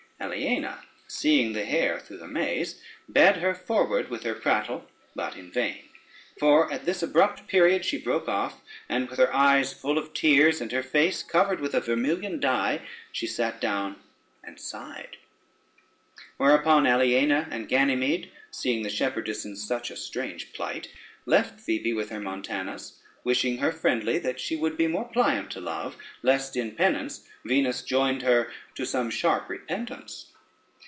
Aliena seeing the hare through the maze, bade her forward with her prattle, but in vain; for at this abrupt period she broke off, and with her eyes full of tears, and her face covered with a vermilion dye, she sate down and sighed. Whereupon Aliena and Ganymede, seeing the shepherdess in such a strange plight, left Phoebe with her Montanus, wishing her friendly that she would be more pliant to Love, lest in penance Venus joined her to some sharp repentance.